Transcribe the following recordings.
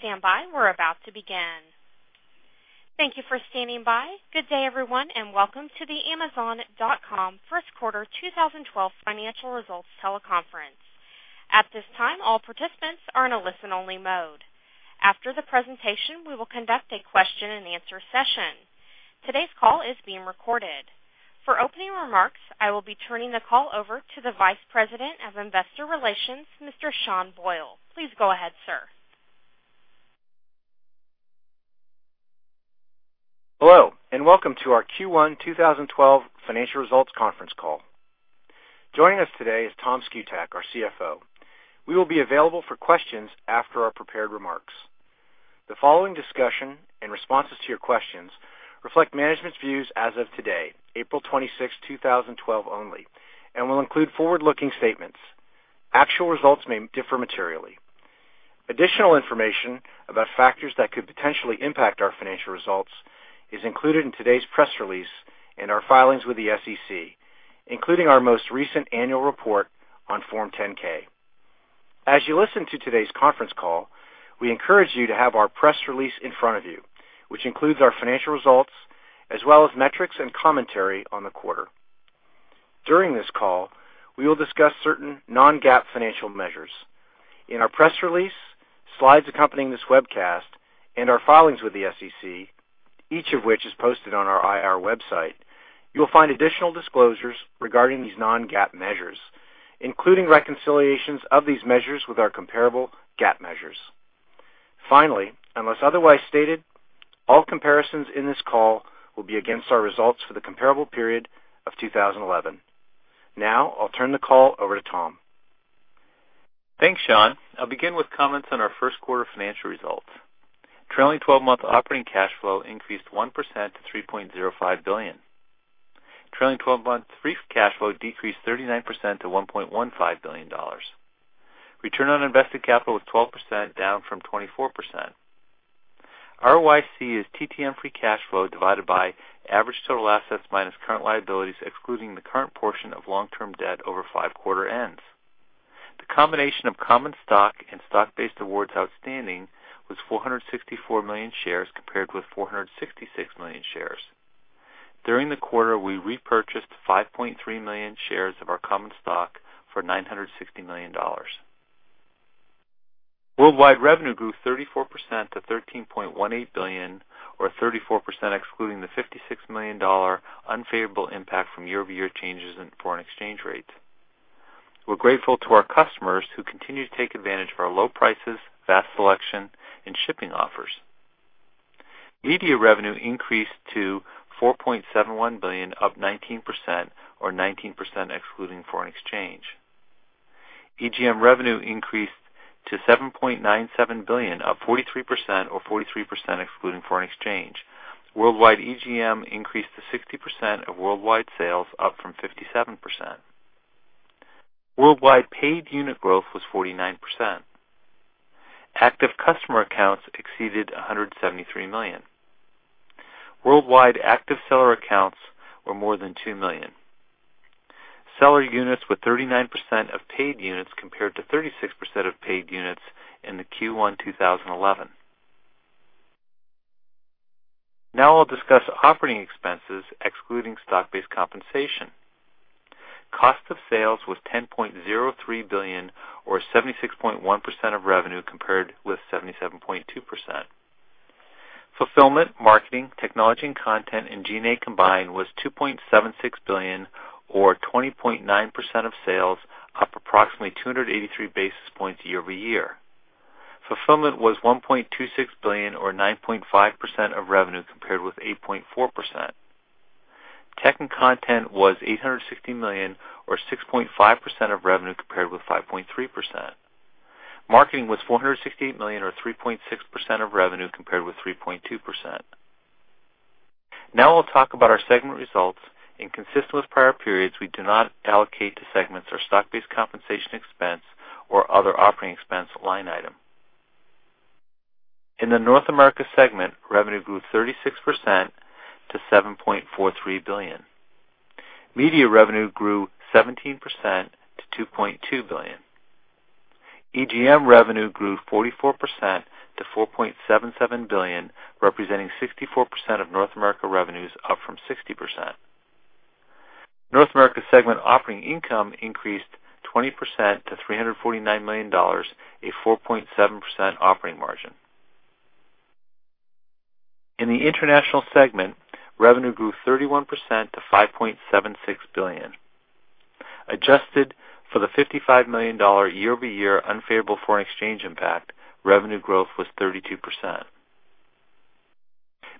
Please stand by. We're about to begin. Thank you for standing by. Good day, everyone, and welcome to the Amazon.com First Quarter 2012 Financial Results Teleconference. At this time, all participants are in a listen-only mode. After the presentation, we will conduct a question and answer session. Today's call is being recorded. For opening remarks, I will be turning the call over to the Vice President of Investor Relations, Mr. Sean Boyle. Please go ahead, sir. Hello, and welcome to our Q1 2012 financial results conference call. Joining us today is Tom Szkutak, our CFO. We will be available for questions after our prepared remarks. The following discussion and responses to your questions reflect management's views as of today, April 26, 2012 only, and will include forward-looking statements. Actual results may differ materially. Additional information about factors that could potentially impact our financial results is included in today's press release and our filings with the SEC, including our most recent annual report on Form 10-K. As you listen to today's conference call, we encourage you to have our press release in front of you, which includes our financial results as well as metrics and commentary on the quarter. During this call, we will discuss certain non-GAAP financial measures. In our press release, slides accompanying this webcast, and our filings with the SEC, each of which is posted on our IR website, you will find additional disclosures regarding these non-GAAP measures, including reconciliations of these measures with our comparable GAAP measures. Finally, unless otherwise stated, all comparisons in this call will be against our results for the comparable period of 2011. Now, I'll turn the call over to Tom. Thanks, Sean. I'll begin with comments on our first quarter financial results. Trailing 12-month operating cash flow increased 1% to $3.05 billion. Trailing 12-month free cash flow decreased 39% to $1.15 billion. Return on invested capital was 12%, down from 24%. ROIC is TTM free cash flow divided by average total assets minus current liabilities, excluding the current portion of long-term debt over five quarter ends. The combination of common stock and stock-based awards outstanding was 464 million shares compared with 466 million shares. During the quarter, we repurchased 5.3 million shares of our common stock for $960 million. Worldwide revenue grew 34% to $13.18 billion, or 34% excluding the $56 million unfavorable impact from year-over-year changes in foreign exchange rates. We're grateful to our customers who continue to take advantage of our low prices, vast selection, and shipping offers. Media revenue increased to $4.71 billion, up 19%, or 19% excluding foreign exchange. EGM revenue increased to $7.97 billion, up 43%, or 43% excluding foreign exchange. Worldwide EGM increased to 60% of worldwide sales, up from 57%. Worldwide paid unit growth was 49%. Active customer accounts exceeded $173 million. Worldwide active seller accounts were more than two million. Seller units were 39% of paid units compared to 36% of paid units in Q1 2011. Now I'll discuss operating expenses excluding stock-based compensation. Cost of sales was $10.03 billion, or 76.1% of revenue compared with 77.2%. Fulfillment, marketing, technology, and content in G&A combined was $2.76 billion, or 20.9% of sales, up approximately 283 basis points year over year. Fulfillment was $1.26 billion, or 9.5% of revenue compared with 8.4%. Tech and content was $860 million, or 6.5% of revenue compared with 5.3%. Marketing was $468 million, or 3.6% of revenue compared with 3.2%. Now I'll talk about our segment results, and consistent with prior periods, we do not allocate to segments our stock-based compensation expense or other operating expense line item. In the North America segment, revenue grew 36% to $7.43 billion. Media revenue grew 17% to $2.2 billion. EGM revenue grew 44% to $4.77 billion, representing 64% of North America revenues, up from 60%. North America segment operating income increased 20% to $349 million, a 4.7% operating margin. In the international segment, revenue grew 31% to $5.76 billion. Adjusted for the $55 million year-over-year unfavorable foreign exchange impact, revenue growth was 32%.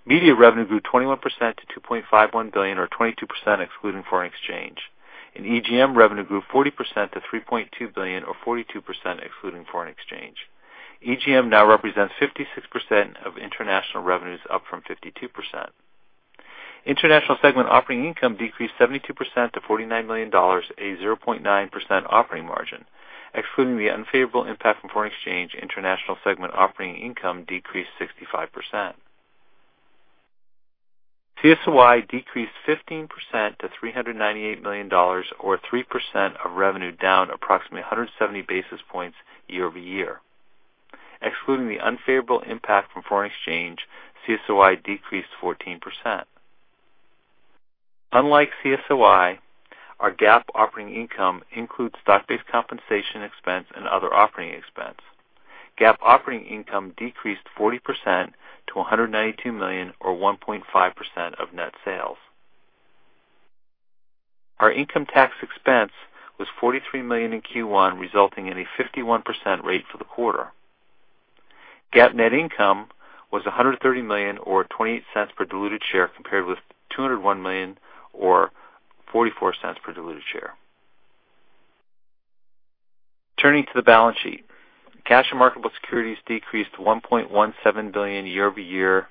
Media revenue grew 21% to $2.51 billion, or 22% excluding foreign exchange. In EGM, revenue grew 40% to $3.2 billion, or 42% excluding foreign exchange. EGM now represents 56% of international revenues, up from 52%. International segment operating income decreased 72% to $49 million, a 0.9% operating margin. Excluding the unfavorable impact from foreign exchange, international segment operating income decreased 65%. CSOI decreased 15% to $398 million, or 3% of revenue, down approximately 170 basis points year over year. Excluding the unfavorable impact from foreign exchange, CSOI decreased 14%. Unlike CSOI, our GAAP operating income includes stock-based compensation expense and other operating expense. GAAP operating income decreased 40% to $192 million, or 1.5% of net sales. Our income tax expense was $43 million in Q1, resulting in a 51% rate for the quarter. GAAP net income was $130 million, or $0.28 per diluted share, compared with $201 million, or $0.44 per diluted share. Turning to the balance sheet, cash and marketable securities decreased $1.17 billion year-over-year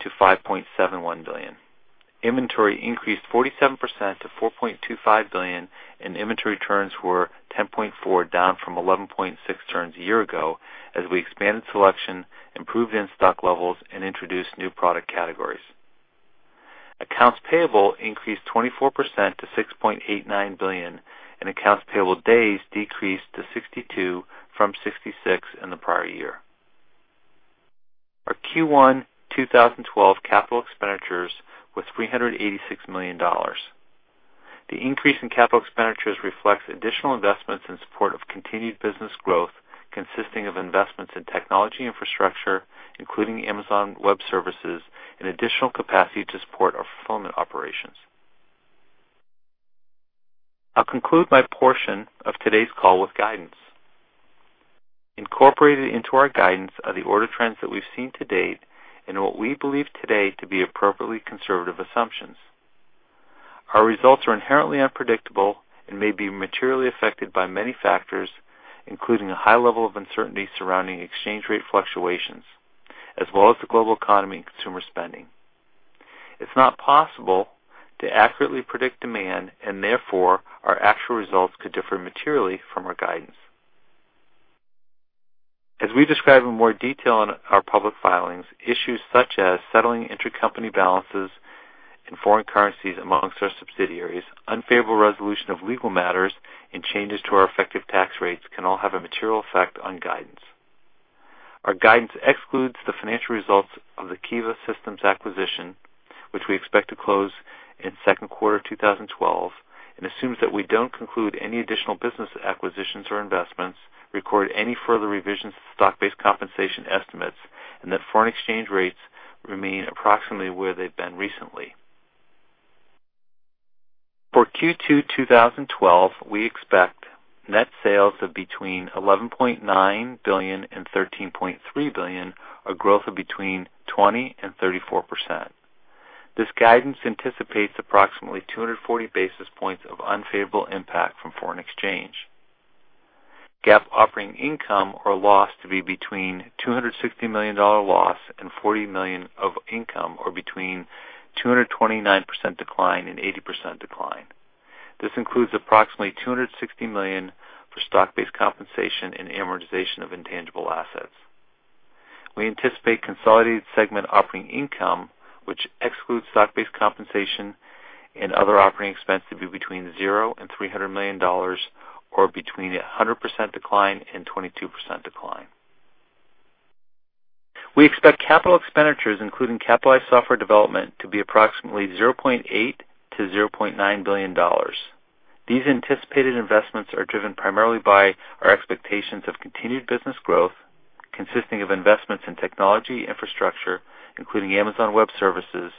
to $5.71 billion. Inventory increased 47% to $4.25 billion, and inventory turns were 10.4, down from 11.6 turns a year ago as we expanded selection, improved in stock levels, and introduced new product categories. Accounts payable increased 24% to $6.89 billion, and accounts payable days decreased to 62 from 66 in the prior year. Our Q1 2012 capital expenditures were $386 million. The increase in capital expenditures reflects additional investments in support of continued business growth, consisting of investments in technology infrastructure, including Amazon Web Services, and additional capacity to support our fulfillment operations. I'll conclude my portion of today's call with guidance. Incorporated into our guidance are the order trends that we've seen to date and what we believe today to be appropriately conservative assumptions. Our results are inherently unpredictable and may be materially affected by many factors, including a high level of uncertainty surrounding exchange rate fluctuations, as well as the global economy and consumer spending. It's not possible to accurately predict demand, and therefore our actual results could differ materially from our guidance. As we describe in more detail in our public filings, issues such as settling intercompany balances and foreign currencies amongst our subsidiaries, unfavorable resolution of legal matters, and changes to our effective tax rates can all have a material effect on guidance. Our guidance excludes the financial results of the Kiva Systems acquisition, which we expect to close in the second quarter of 2012, and assumes that we don't conclude any additional business acquisitions or investments, record any further revisions to stock-based compensation estimates, and that foreign exchange rates remain approximately where they've been recently. For Q2 2012, we expect net sales of between $11.9 billion and $13.3 billion, a growth of between 20% and 34%. This guidance anticipates approximately 240 basis points of unfavorable impact from foreign exchange. GAAP operating income or loss to be between $260 million loss and $40 million of income, or between a 229% decline and an 80% decline. This includes approximately $260 million for stock-based compensation and amortization of intangible assets. We anticipate consolidated segment operating income, which excludes stock-based compensation and other operating expenses, to be between $0 and $300 million or between a 100% decline and a 22% decline. We expect capital expenditures, including capitalized software development, to be approximately $0.8 to $0.9 billion. These anticipated investments are driven primarily by our expectations of continued business growth, consisting of investments in technology infrastructure, including Amazon Web Services,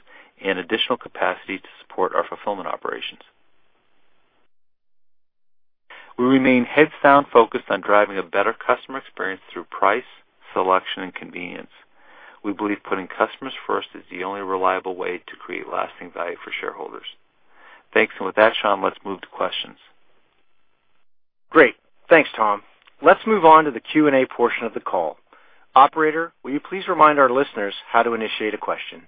and additional capacity to support our fulfillment operations. We remain heads-down focused on driving a better customer experience through price, selection, and convenience. We believe putting customers first is the only reliable way to create lasting value for shareholders. Thanks, and with that, Sean, let's move to questions. Great. Thanks, Tom. Let's move on to the Q&A portion of the call. Operator, will you please remind our listeners how to initiate a question?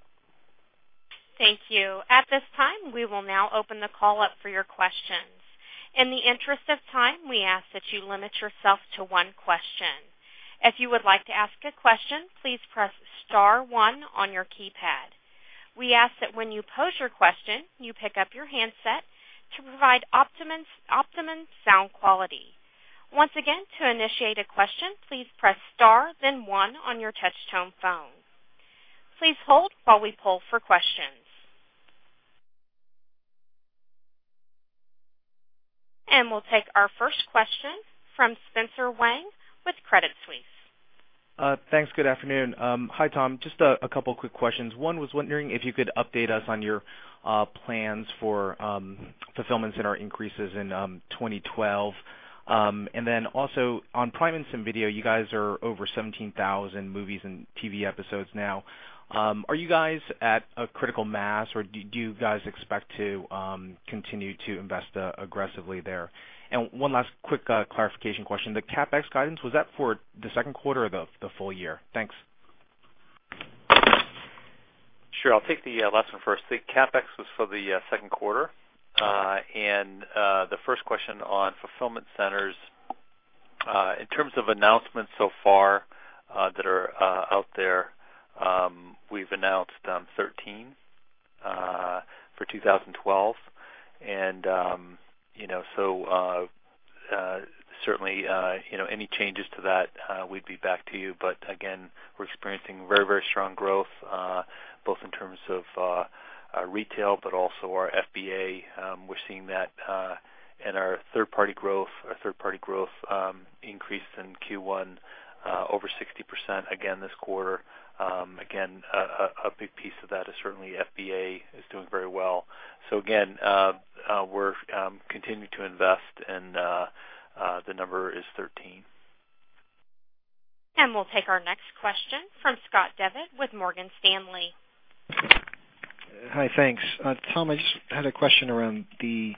Thank you. At this time, we will now open the call up for your questions. In the interest of time, we ask that you limit yourself to one question. If you would like to ask a question, please press star one on your keypad. We ask that when you pose your question, you pick up your handset to provide optimum sound quality. Once again, to initiate a question, please press star, then one on your touch-tone phone. Please hold while we pull for questions. We'll take our first question from Spencer Wang with Credit Suisse. Thanks. Good afternoon. Hi, Tom. Just a couple of quick questions. One was wondering if you could update us on your plans for fulfillment center increases in 2012. Also, on Prime Instant Video, you guys are over 17,000 movies and TV episodes now. Are you guys at a critical mass, or do you guys expect to continue to invest aggressively there? One last quick clarification question. The CapEx guidance, was that for the second quarter or the full year? Thanks. Sure. I'll take the last one first. The CapEx was for the second quarter. The first question on fulfillment centers, in terms of announcements so far that are out there, we've announced 13 for 2012. Certainly, any changes to that, we'd be back to you. We're experiencing very, very strong growth, both in terms of retail, but also our FBA. We're seeing that in our third-party growth. Our third-party growth increased in Q1 over 60% again this quarter. A big piece of that is certainly FBA is doing very well. We're continuing to invest, and the number is 13. We will take our next question from Scott Devitt with Morgan Stanley. Hi, thanks. Tom, I just had a question around the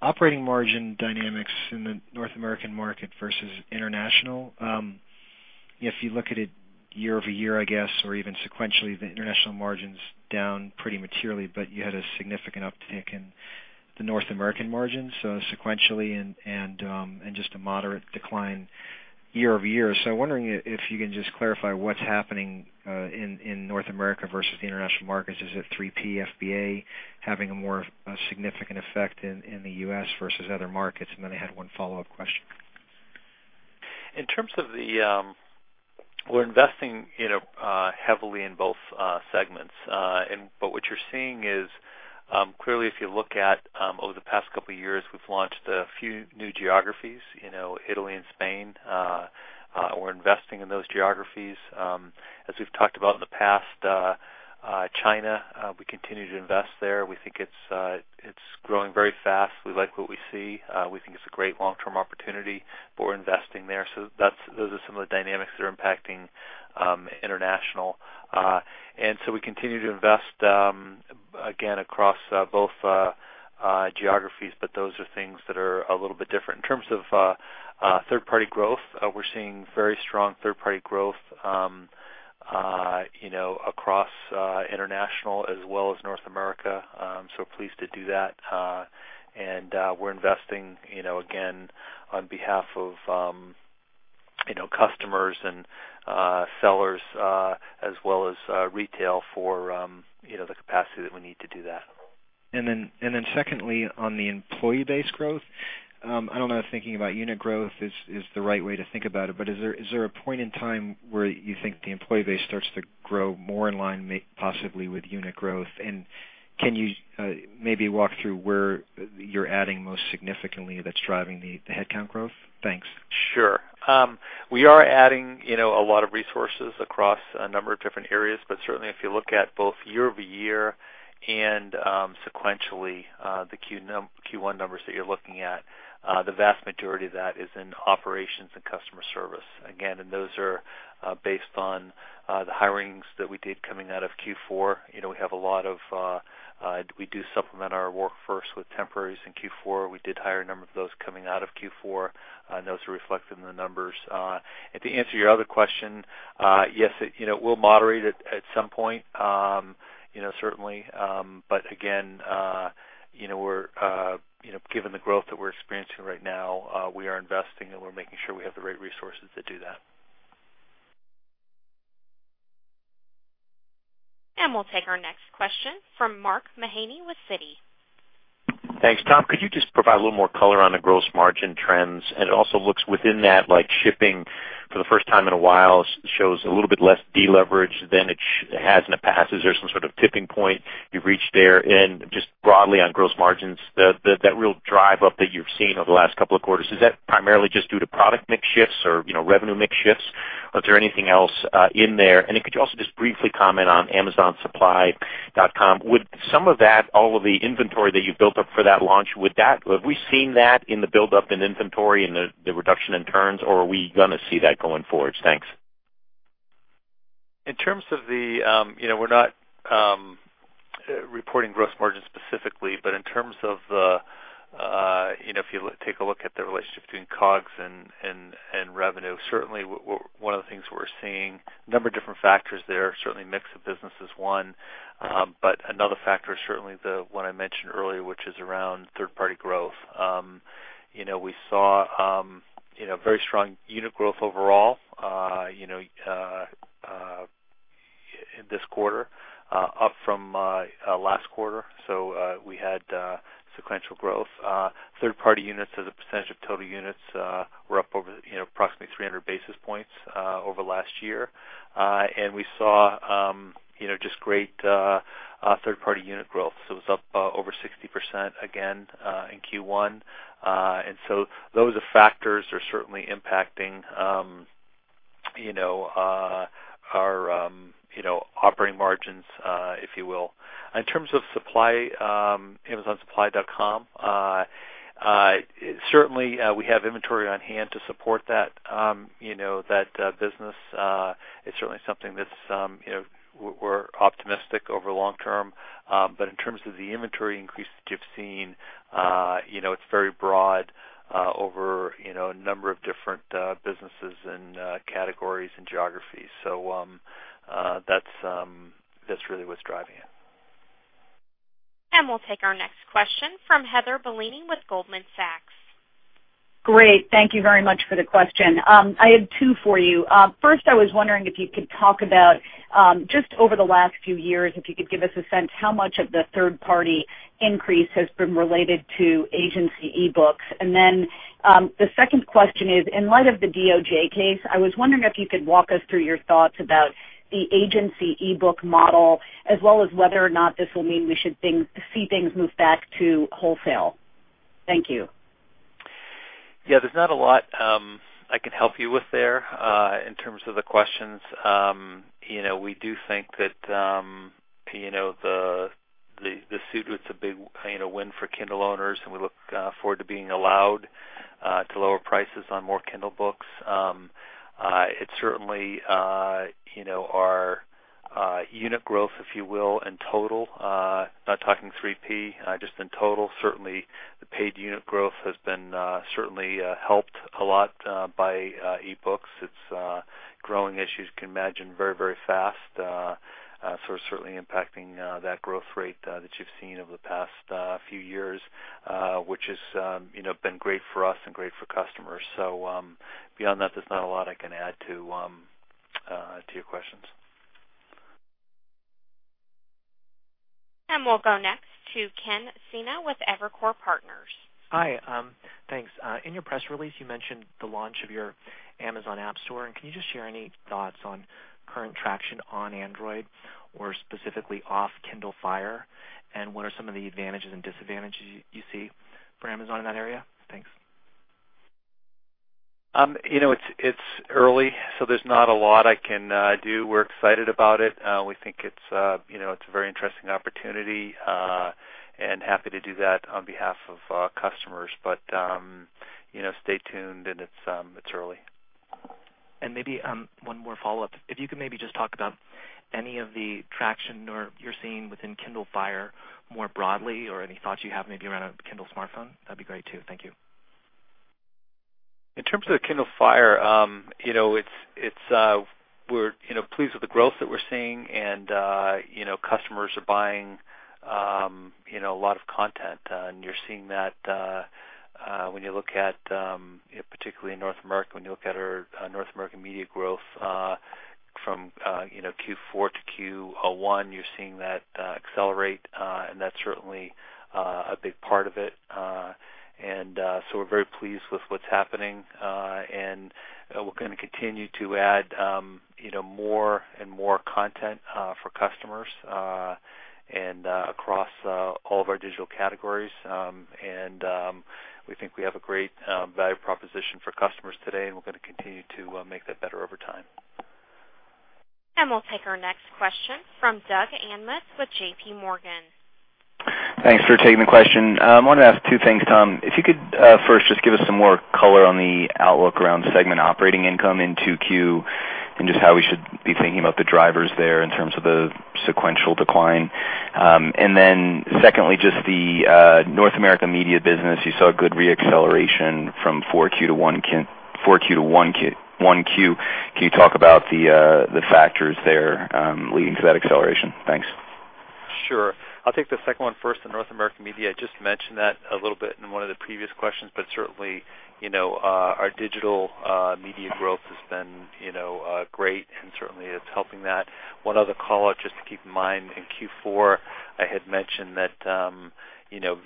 operating margin dynamics in the North American market versus international. If you look at it year over year, I guess, or even sequentially, the international margin's down pretty materially, but you had a significant uptick in the North American margins, sequentially, and just a moderate decline year over year. I'm wondering if you can just clarify what's happening in North America versus the international markets. Is it 3P FBA having a more significant effect in the U.S. versus other markets? I had one follow-up question. In terms of the, we're investing heavily in both segments. What you're seeing is clearly, if you look at over the past couple of years, we've launched a few new geographies, you know, Italy and Spain. We're investing in those geographies. As we've talked about in the past, China, we continue to invest there. We think it's growing very fast. We like what we see. We think it's a great long-term opportunity, but we're investing there. Those are some of the dynamics that are impacting international. We continue to invest again across both geographies, but those are things that are a little bit different. In terms of third-party growth, we're seeing very strong third-party growth across international as well as North America. Pleased to do that. We're investing, you know, again on behalf of customers and sellers as well as retail for the capacity that we need to do that. On the employee-based growth, I don't know if thinking about unit growth is the right way to think about it, but is there a point in time where you think the employee base starts to grow more in line possibly with unit growth? Can you maybe walk through where you're adding most significantly that's driving the headcount growth? Thanks. Sure. We are adding a lot of resources across a number of different areas, but certainly, if you look at both year over year and sequentially, the Q1 numbers that you're looking at, the vast majority of that is in operations and customer service. Those are based on the hirings that we did coming out of Q4. We do supplement our workforce with temporaries in Q4. We did hire a number of those coming out of Q4, and those are reflected in the numbers. To answer your other question, yes, we'll moderate it at some point, certainly. Given the growth that we're experiencing right now, we are investing, and we're making sure we have the right resources to do that. We will take our next question from Mark Mahaney with Citi. Thanks, Tom. Could you just provide a little more color on the gross margin trends? It also looks within that, like shipping for the first time in a while shows a little bit less deleverage than it has in the past. Is there some sort of tipping point you reached there? Broadly on gross margins, that real drive-up that you've seen over the last couple of quarters, is that primarily just due to product mix shifts or revenue mix shifts? Is there anything else in there? Could you also just briefly comment on AmazonSupply.com? Would some of that, all of the inventory that you built up for that launch, would that, have we seen that in the buildup in inventory and the reduction in turns, or are we going to see that going forward? Thanks. In terms of the, you know, we're not reporting gross margins specifically, but in terms of the, you know, if you take a look at the relationship between COGS and revenue, certainly one of the things we're seeing, a number of different factors there, certainly mix of business is one. Another factor is certainly the one I mentioned earlier, which is around third-party growth. We saw very strong unit growth overall this quarter, up from last quarter. We had sequential growth. Third-party units as a percentage of total units were up over approximately 300 basis points over last year. We saw just great third-party unit growth. It was up over 60% again in Q1. Those factors are certainly impacting our operating margins, if you will. In terms of AmazonSupply.com, certainly we have inventory on hand to support that business. It's certainly something that we're optimistic over the long term. In terms of the inventory increase that you've seen, it's very broad over a number of different businesses and categories and geographies. That's really what's driving it. We will take our next question from Heather Bellini with Goldman Sachs. Great. Thank you very much for the question. I have two for you. First, I was wondering if you could talk about just over the last few years, if you could give us a sense how much of the third-party increase has been related to agency e-books. The second question is, in light of the DOJ case, I was wondering if you could walk us through your thoughts about the agency e-book model, as well as whether or not this will mean we should see things move back to wholesale. Thank you. Yeah, there's not a lot I can help you with there in terms of the questions. We do think that the suit, it's a big win for Kindle owners, and we look forward to being allowed to lower prices on more Kindle books. It's certainly our unit growth, if you will, in total. Not talking 3P, just in total, certainly the paid unit growth has been certainly helped a lot by e-books. It's growing, as you can imagine, very, very fast. It's certainly impacting that growth rate that you've seen over the past few years, which has been great for us and great for customers. Beyond that, there's not a lot I can add to your questions. We will go next to Ken Sena with Evercore Partners. Hi. Thanks. In your press release, you mentioned the launch of your Amazon Appstore. Can you just share any thoughts on current traction on Android or specifically off Kindle Fire? What are some of the advantages and disadvantages you see for Amazon in that area? Thanks. It's early, so there's not a lot I can do. We're excited about it. We think it's a very interesting opportunity and happy to do that on behalf of customers. Stay tuned, and it's early. Maybe one more follow-up. If you could just talk about any of the traction you're seeing within Kindle Fire more broadly or any thoughts you have around a Kindle smartphone, that'd be great too. Thank you. In terms of the Kindle Fire, we're pleased with the growth that we're seeing, and customers are buying a lot of content. You're seeing that when you look at particularly in North America, when you look at our North American media growth from Q4 to Q1, you're seeing that accelerate. That's certainly a big part of it. We're very pleased with what's happening. We're going to continue to add more and more content for customers and across all of our digital categories. We think we have a great value proposition for customers today, and we're going to continue to make that better over time. We will take our next question from Doug Anmuth with J.P. Morgan. Thanks for taking the question. I wanted to ask two things, Tom. If you could first just give us some more color on the outlook around segment operating income in Q2 and just how we should be thinking about the drivers there in terms of the sequential decline. Secondly, just the North American media business, you saw a good re-acceleration from Q1 to Q1. Can you talk about the factors there leading to that acceleration? Thanks. Sure. I'll take the second one first, the North American media. I just mentioned that a little bit in one of the previous questions, but certainly, you know, our digital media growth has been great, and certainly, it's helping that. One other call out just to keep in mind, in Q4, I had mentioned that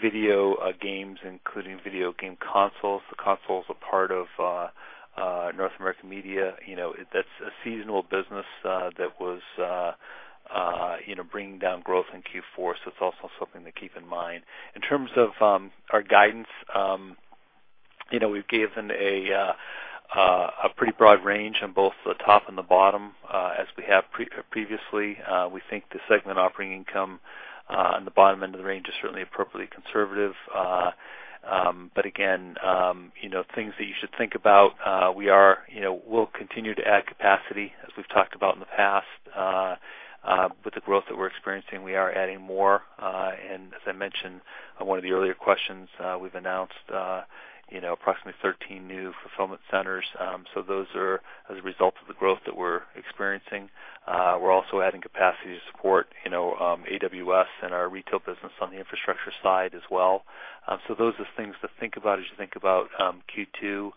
video games, including video game consoles, the console is a part of North American media. That's a seasonal business that was bringing down growth in Q4. It's also something to keep in mind. In terms of our guidance, we've given a pretty broad range on both the top and the bottom, as we have previously. We think the segment operating income on the bottom end of the range is certainly appropriately conservative. Again, things that you should think about, we are, you know, we'll continue to add capacity, as we've talked about in the past. With the growth that we're experiencing, we are adding more. As I mentioned in one of the earlier questions, we've announced approximately 13 new fulfillment centers. Those are as a result of the growth that we're experiencing. We're also adding capacity to support AWS and our retail business on the infrastructure side as well. Those are things to think about as you think about Q2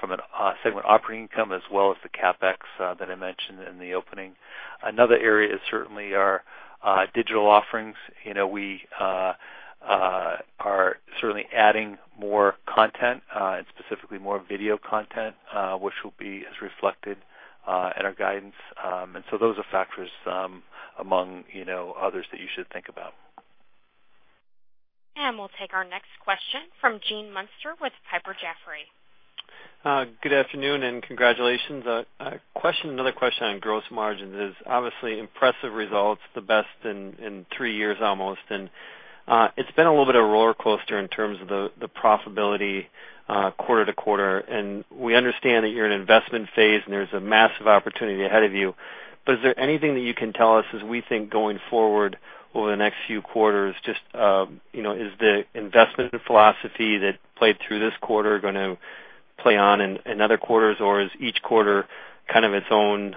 from a segment operating income, as well as the CapEx that I mentioned in the opening. Another area is certainly our digital offerings. We are certainly adding more content and specifically more video content, which will be as reflected in our guidance. Those are factors among others that you should think about. We will take our next question from Gene Munster with Piper Jaffray. Good afternoon and congratulations. Another question on gross margins is obviously impressive results, the best in three years almost. It's been a little bit of a roller coaster in terms of the profitability quarter to quarter. We understand that you're in an investment phase and there's a massive opportunity ahead of you. Is there anything that you can tell us as we think going forward over the next few quarters? Is the investment philosophy that played through this quarter going to play on in other quarters, or is each quarter kind of its own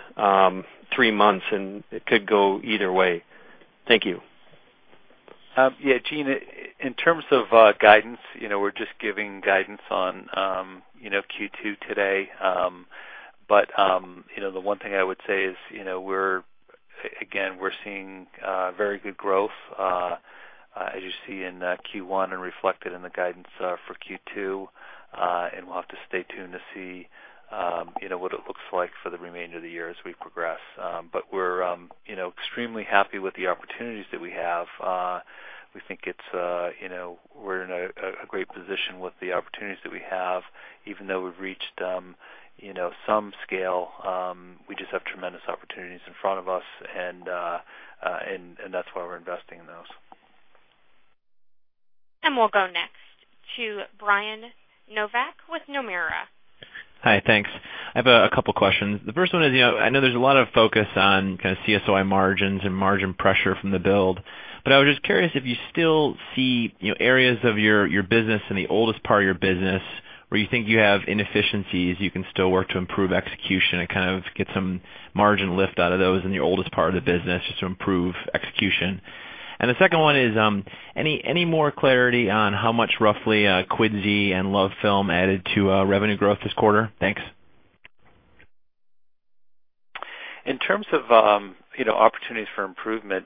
three months and it could go either way? Thank you. Gene, in terms of guidance, we're just giving guidance on Q2 today. The one thing I would say is we're seeing very good growth, as you see in Q1 and reflected in the guidance for Q2. We'll have to stay tuned to see what it looks like for the remainder of the year as we progress. We're extremely happy with the opportunities that we have. We think we're in a great position with the opportunities that we have, even though we've reached some scale. We just have tremendous opportunities in front of us, and that's why we're investing in those. We'll go next to Brian Nowak with Morgan Stanley. Hi, thanks. I have a couple of questions. The first one is, you know, I know there's a lot of focus on kind of CSOI margins and margin pressure from the build. I was just curious if you still see, you know, areas of your business and the oldest part of your business where you think you have inefficiencies you can still work to improve execution and kind of get some margin lift out of those in the oldest part of the business just to improve execution. The second one is, any more clarity on how much roughly Quidsi and LoveFilm added to revenue growth this quarter? Thanks. In terms of opportunities for improvement,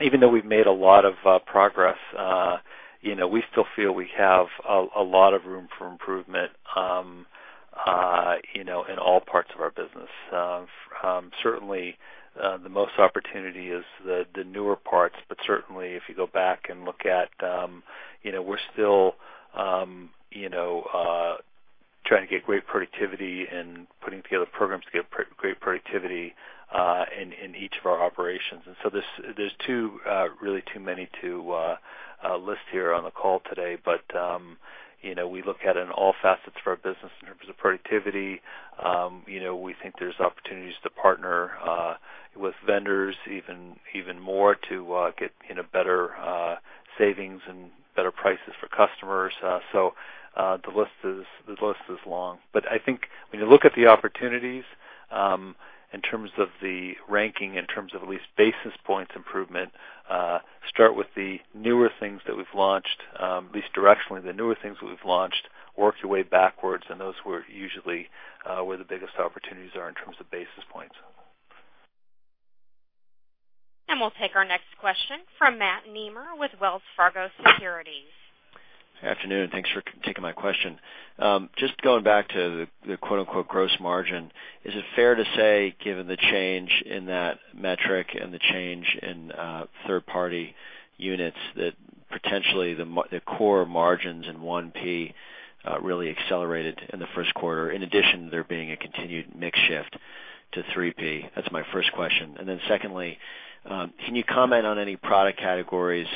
even though we've made a lot of progress, we still feel we have a lot of room for improvement in all parts of our business. Certainly, the most opportunity is the newer parts, but if you go back and look at, we're still trying to get great productivity and putting together programs to get great productivity in each of our operations. There's really too many to list here on the call today. We look at it in all facets of our business in terms of productivity. We think there's opportunities to partner with vendors even more to get better savings and better prices for customers. The list is long. I think when you look at the opportunities in terms of the ranking, in terms of at least basis points improvement, start with the newer things that we've launched, at least directionally, the newer things that we've launched, work your way backwards and those are usually where the biggest opportunities are in terms of basis points. We will take our next question from Matt Niemer with Wells Fargo Securities. Good afternoon. Thanks for taking my question. Just going back to the "gross margin," is it fair to say given the change in that metric and the change in third-party seller units that potentially the core margins in 1P really accelerated in the first quarter, in addition to there being a continued mix shift to 3P? That's my first question. Secondly, can you comment on any product categories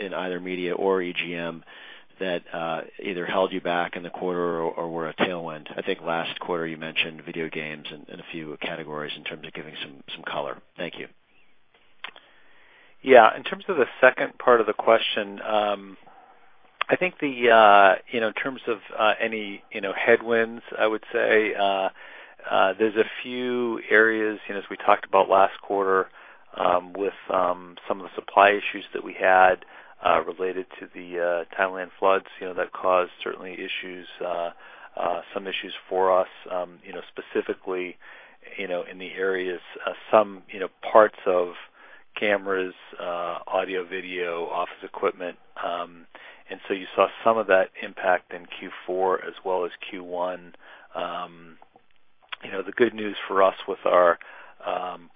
in either media or EGM that either held you back in the quarter or were a tailwind? I think last quarter you mentioned video games and a few categories in terms of giving some color. Thank you. Yeah. In terms of the second part of the question, I think in terms of any headwinds, I would say there's a few areas. As we talked about last quarter with some of the supply issues that we had related to the Thailand floods, that caused certainly some issues for us, specifically in the areas, some parts of cameras, audio, video, office equipment. You saw some of that impact in Q4 as well as Q1. The good news for us with our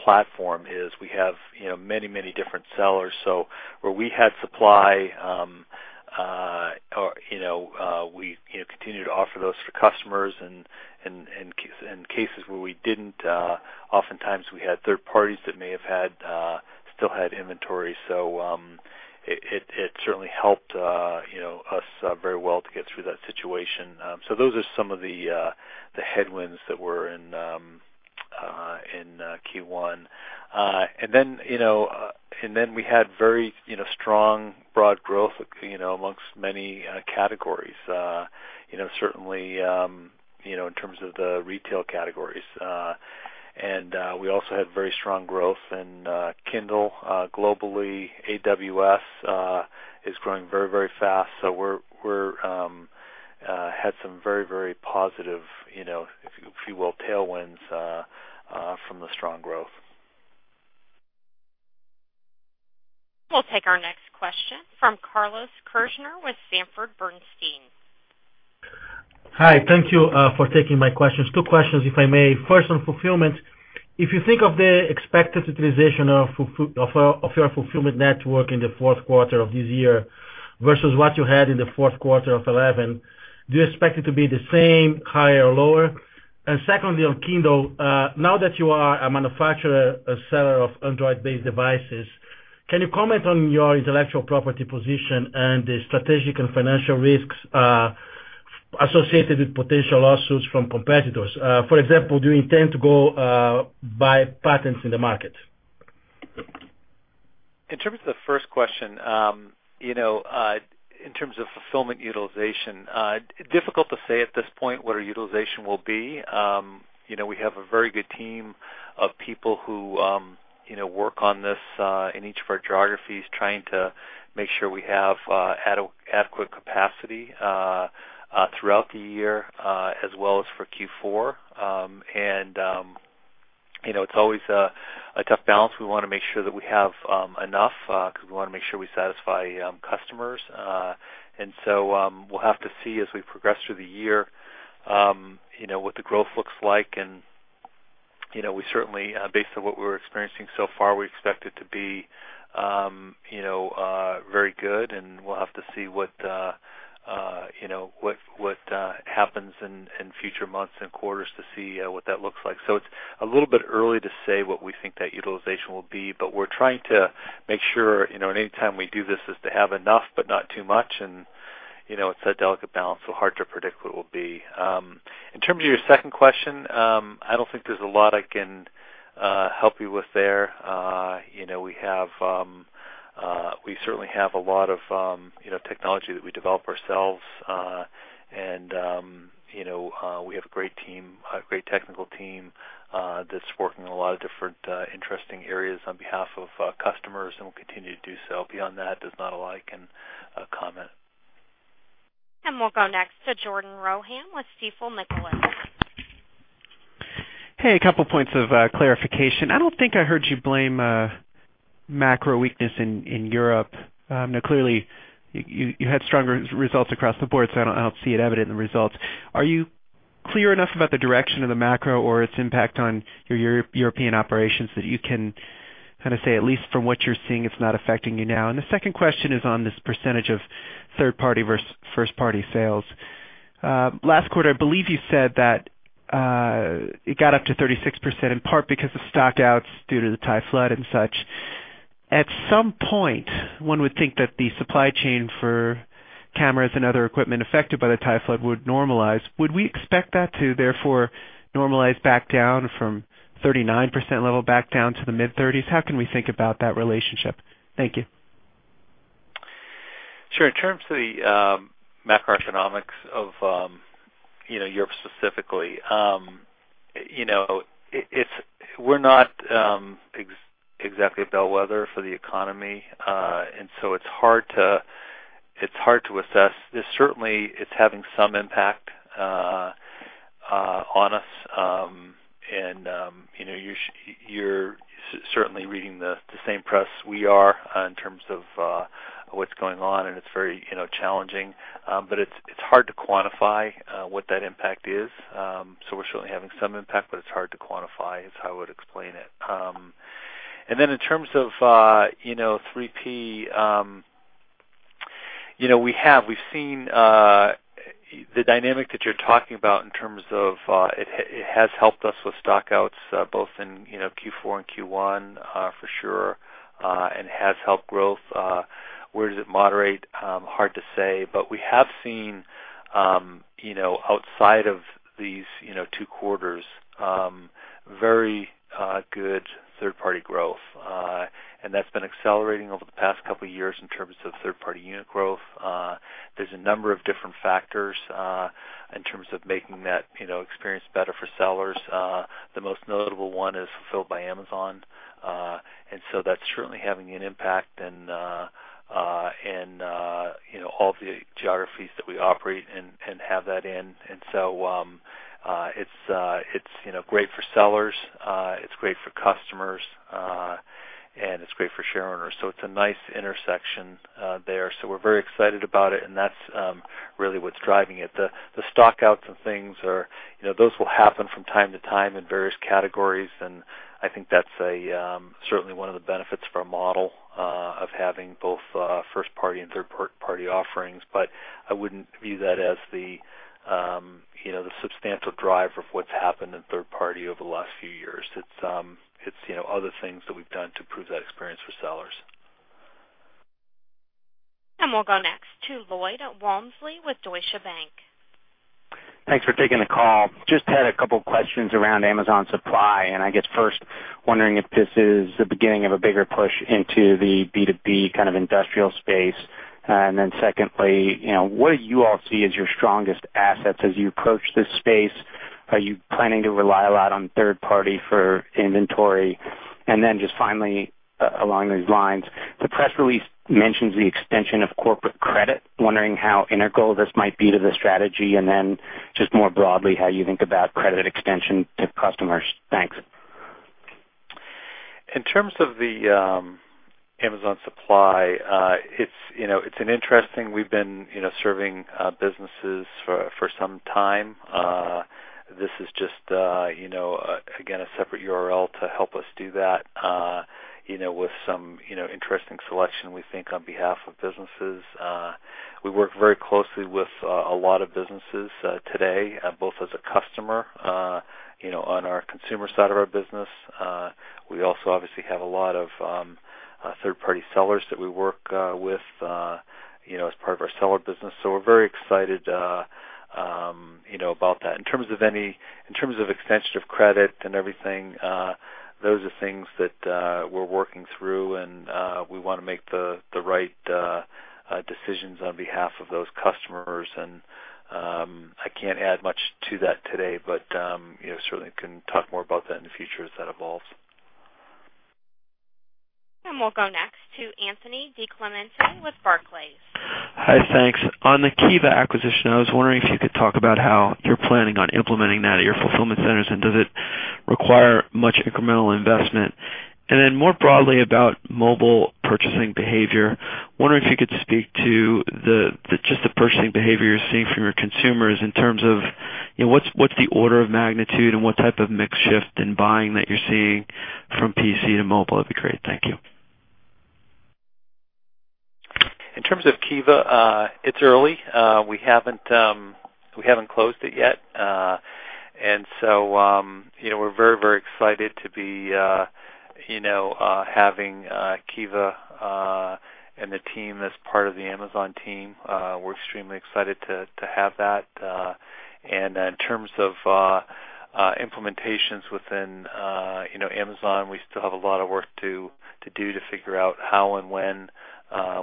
platform is we have many, many different sellers. Where we had supply, we continue to offer those to customers. In cases where we didn't, oftentimes we had third parties that may have still had inventory. It certainly helped us very well to get through that situation. Those are some of the headwinds that were in Q1. We had very strong broad growth amongst many categories, certainly in terms of the retail categories. We also had very strong growth in Kindle globally. AWS is growing very, very fast. We had some very, very positive, if you will, tailwinds from the strong growth. We'll take our next question from Carlos Kirjner with Sanford Bernstein. Hi. Thank you for taking my questions. Two questions, if I may. First, on fulfillment, if you think of the expected utilization of your fulfillment network in the fourth quarter of this year versus what you had in the fourth quarter of 2011, do you expect it to be the same, higher, or lower? Secondly, on Kindle, now that you are a manufacturer, a seller of Android-based devices, can you comment on your intellectual property position and the strategic and financial risks associated with potential lawsuits from competitors? For example, do you intend to go buy patents in the market? In terms of the first question, in terms of fulfillment utilization, difficult to say at this point what our utilization will be. We have a very good team of people who work on this in each of our geographies, trying to make sure we have adequate capacity throughout the year, as well as for Q4. It's always a tough balance. We want to make sure that we have enough because we want to make sure we satisfy customers. We will have to see as we progress through the year what the growth looks like. We certainly, based on what we're experiencing so far, expect it to be very good. We will have to see what happens in future months and quarters to see what that looks like. It's a little bit early to say what we think that utilization will be, but we're trying to make sure anytime we do this is to have enough but not too much. It's a delicate balance, so hard to predict what it will be. In terms of your second question, I don't think there's a lot I can help you with there. We certainly have a lot of technology that we develop ourselves. We have a great team, a great technical team that's working in a lot of different interesting areas on behalf of customers, and we'll continue to do so. Beyond that, there's not a lot I can comment. We will go next to Jordan Rohan with Stifel Nicolaus. Hey, a couple of points of clarification. I don't think I heard you blame macro weakness in Europe. Clearly, you had stronger results across the board, so I don't see it evident in the results. Are you clear enough about the direction of the macro or its impact on your European operations that you can kind of say, at least from what you're seeing, it's not affecting you now? The second question is on this percentage of third-party versus first-party sales. Last quarter, I believe you said that it got up to 36% in part because of stockouts due to the Thai flood and such. At some point, one would think that the supply chain for cameras and other equipment affected by the Thai flood would normalize. Would we expect that to therefore normalize back down from 39% level back down to the mid-30s? How can we think about that relationship? Thank you. Sure. In terms of the macroeconomics of Europe specifically, we're not exactly a bellwether for the economy, and it's hard to assess. Certainly, it's having some impact on us. You're certainly reading the same press we are in terms of what's going on, and it's very challenging. It's hard to quantify what that impact is. We're certainly having some impact, but it's hard to quantify is how I would explain it. In terms of 3P, we've seen the dynamic that you're talking about in terms of it has helped us with stockouts both in Q4 and Q1 for sure and has helped growth. Where does it moderate? Hard to say. We have seen, outside of these two quarters, very good third-party growth, and that's been accelerating over the past couple of years in terms of third-party unit growth. There are a number of different factors in terms of making that experience better for sellers. The most notable one is Fulfilled by Amazon, and that's certainly having an impact in all of the geographies that we operate and have that in. It's great for sellers, it's great for customers, and it's great for shareholders. It's a nice intersection there. We're very excited about it, and that's really what's driving it. The stockouts and things, those will happen from time to time in various categories. I think that's certainly one of the benefits for our model of having both first-party and third-party offerings. I wouldn't view that as the substantial driver of what's happened in third-party over the last few years. It's other things that we've done to improve that experience for sellers. We'll go next to Lloyd Walmsley with Deutsche Bank. Thanks for taking the call. Just had a couple of questions around Amazon Supply. I guess first, wondering if this is the beginning of a bigger push into the B2B kind of industrial space. Secondly, what do you all see as your strongest assets as you approach this space? Are you planning to rely a lot on third-party for inventory? Finally, along these lines, the press release mentions the extension of corporate credit. Wondering how integral this might be to the strategy. More broadly, how you think about credit extension to customers. Thanks. In terms of Amazon Supply, it's interesting we've been serving businesses for some time. This is just, you know, again, a separate URL to help us do that, you know, with some interesting selection, we think, on behalf of businesses. We work very closely with a lot of businesses today, both as a customer, you know, on our consumer side of our business. We also obviously have a lot of third-party sellers that we work with, you know, as part of our seller business. We're very excited about that. In terms of any extension of credit and everything, those are things that we're working through. We want to make the right decisions on behalf of those customers. I can't add much to that today, but you know, certainly can talk more about that in the future as that evolves. We will go next to Anthony DiClemente with Barclays. Hi, thanks. On the Kiva Systems acquisition, I was wondering if you could talk about how you're planning on implementing that at your fulfillment centers, and does it require much incremental investment? More broadly about mobile purchasing behavior, wondering if you could speak to just the purchasing behavior you're seeing from your consumers in terms of, you know, what's the order of magnitude and what type of mix shift in buying that you're seeing from PC to mobile? That'd be great. Thank you. In terms of Kiva, it's early. We haven't closed it yet. We're very, very excited to be having Kiva and the team as part of the Amazon team. We're extremely excited to have that. In terms of implementations within Amazon, we still have a lot of work to do to figure out how and when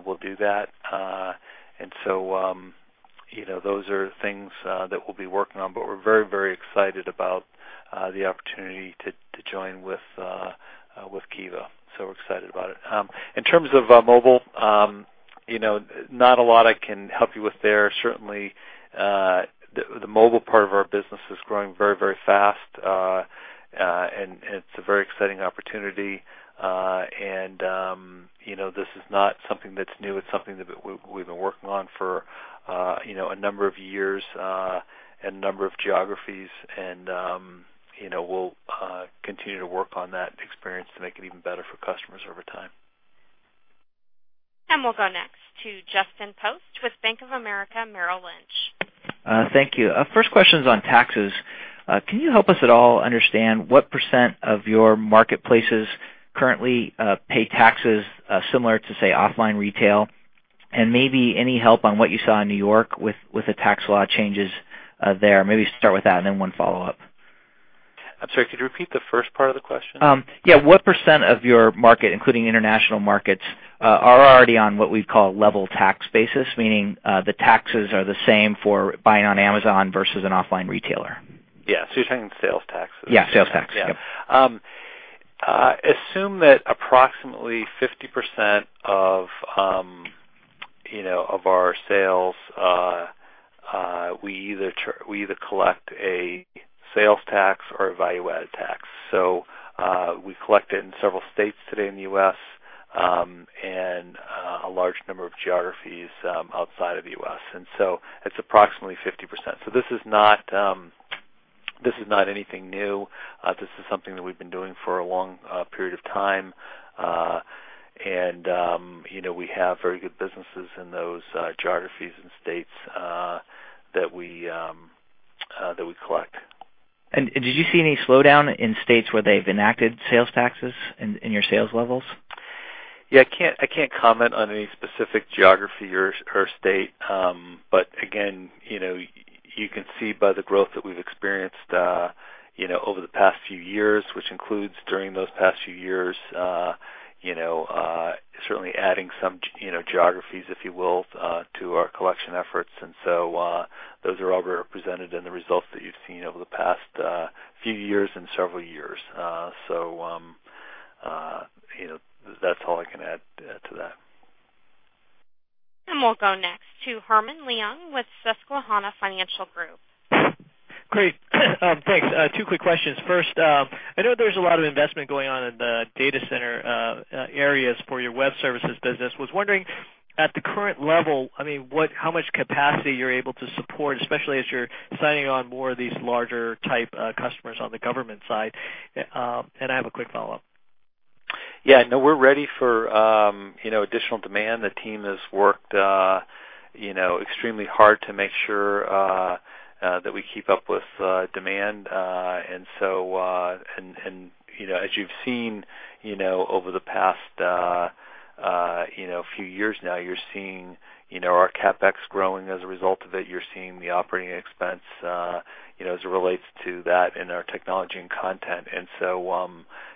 we'll do that. Those are things that we'll be working on. We're very, very excited about the opportunity to join with Kiva. We're excited about it. In terms of mobile, not a lot I can help you with there. Certainly, the mobile part of our business is growing very, very fast. It's a very exciting opportunity. This is not something that's new. It's something that we've been working on for a number of years in a number of geographies. We'll continue to work on that experience to make it even better for customers over time. We will go next to Justin Post with Bank of America. Thank you. First question is on taxes. Can you help us at all understand what % of your marketplaces currently pay taxes similar to, say, offline retail? Any help on what you saw in New York with the tax law changes there. Maybe start with that and then one follow-up. I'm sorry, could you repeat the first part of the question? Yeah. What percent of your market, including international markets, are already on what we'd call level tax basis, meaning the taxes are the same for buying on Amazon versus an offline retailer? Yeah, you're talking sales taxes? Yeah, sales tax. Yeah. Assume that approximately 50% of our sales, we either collect a sales tax or a value-added tax. We collect it in several states today in the U.S. and a large number of geographies outside of the U.S., so it's approximately 50%. This is not anything new. This is something that we've been doing for a long period of time. We have very good businesses in those geographies and states that we collect. Did you see any slowdown in states where they've enacted sales taxes in your sales levels? I can't comment on any specific geography or state. You can see by the growth that we've experienced over the past few years, which includes during those past few years certainly adding some geographies, if you will, to our collection efforts. Those are all represented in the results that you've seen over the past few years and several years. That's all I can add to that. We will go next to Herman Leung with Susquehanna Financial Group. Great. Thanks. Two quick questions. First, I know there's a lot of investment going on in the data center areas for your web services business. I was wondering, at the current level, how much capacity you're able to support, especially as you're signing on more of these larger type customers on the government side? I have a quick follow-up. Yeah. No, we're ready for additional demand. The team has worked extremely hard to make sure that we keep up with demand. As you've seen over the past few years now, you're seeing our CapEx growing as a result of it. You're seeing the operating expense as it relates to that and our technology and content.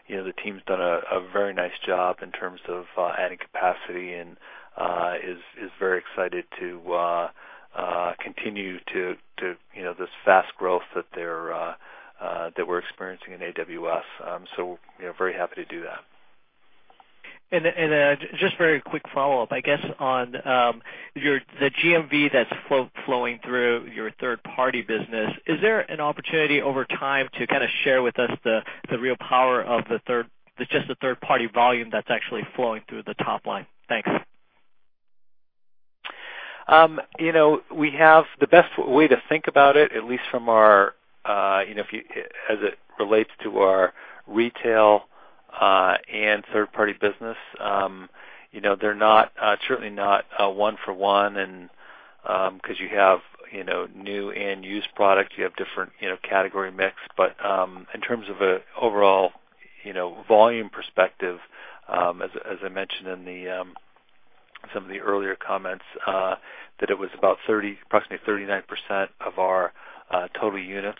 The team's done a very nice job in terms of adding capacity and is very excited to continue this fast growth that we're experiencing in AWS. We're very happy to do that. Just a very quick follow-up, I guess, on your GMV that's flowing through your third-party business. Is there an opportunity over time to kind of share with us the real power of just the third-party volume that's actually flowing through the top line? Thanks. We have the best way to think about it, at least as it relates to our retail and third-party business. They're certainly not one-for-one because you have new and used products. You have different category mix. In terms of an overall volume perspective, as I mentioned in some of the earlier comments, it was approximately 39% of our total units.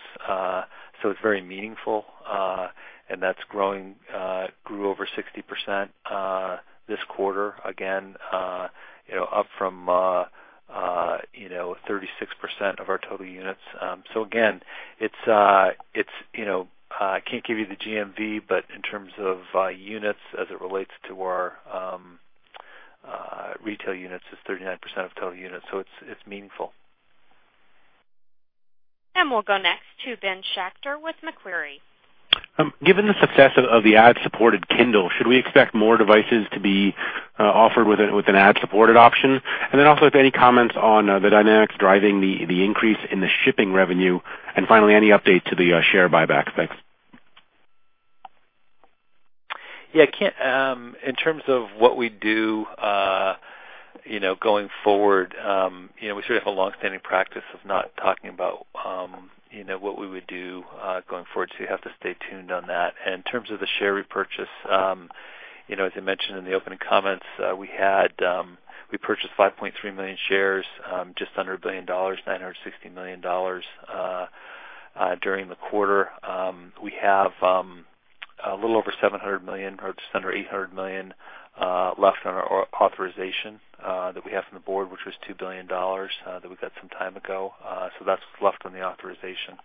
It's very meaningful, and that's growing, grew over 60% this quarter, up from 36% of our total units. I can't give you the GMV, but in terms of units as it relates to our retail units, it's 39% of total units. It's meaningful. We'll go next to Ben Schachter with Macquarie. Given the success of the ad-supported Kindle, should we expect more devices to be offered with an ad-supported option? If any comments on the dynamics driving the increase in the shipping revenue, and finally, any update to the share buyback? Thanks. In terms of what we do going forward, we sort of have a longstanding practice of not talking about what we would do going forward. You have to stay tuned on that. In terms of the share repurchase, as I mentioned in the opening comments, we purchased 5.3 million shares, just under $1 billion, $960 million during the quarter. We have a little over $700 million or just under $800 million left on our authorization that we have from the board, which was $2 billion that we got some time ago. That's what's left on the authorization.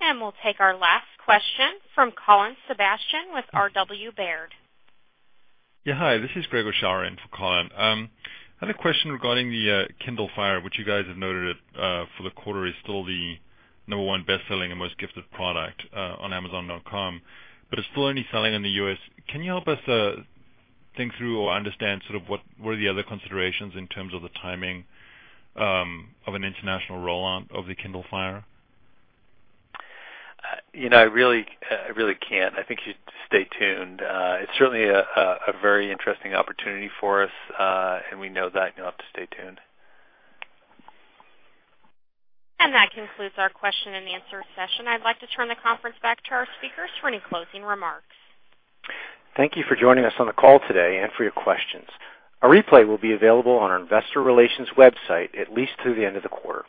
We will take our last question from Colin Sebastian with RW Baird. Hi. This is Gregor Schauer for Colin. I had a question regarding the Kindle Fire, which you guys have noted for the quarter is still the number one best-selling and most gifted product on Amazon.com, but it's still only selling in the U.S. Can you help us think through or understand what are the other considerations in terms of the timing of an international rollout of the Kindle Fire? I think you should stay tuned. It's certainly a very interesting opportunity for us, and we know that, and you'll have to stay tuned. That concludes our question and answer session. I'd like to turn the conference back to our speakers for any closing remarks. Thank you for joining us on the call today and for your questions. A replay will be available on our Investor Relations website at least through the end of the quarter.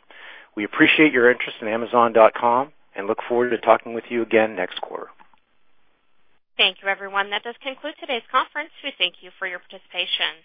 We appreciate your interest in Amazon.com Inc. and look forward to talking with you again next quarter. Thank you, everyone. That does conclude today's conference. We thank you for your participation.